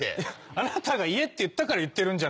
あなたが言えって言ったから言ってるんじゃないですか。